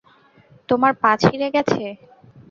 তোমার পা, ছিঁড়ে গেছে।